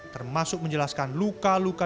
termasuk menjelaskan luka luka